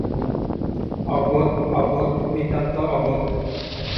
অবোধ, অবোধ, নিতান্ত অবোধ!